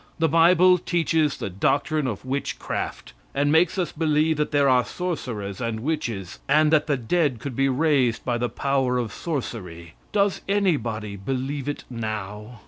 The bible teaches the doctrine of witchcraft and makes us believe that there are sorcerers and witches, and that the dead could be raised by the power of sorcery. Does anybody believe it now?